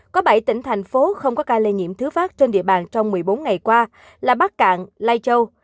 có bảy tỉnh thành phố không có ca lây nhiễm thứ phát trên địa bàn trong một mươi bốn ngày qua là bắc cạn lai châu